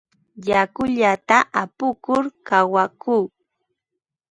Yakullata upukur kawakuu.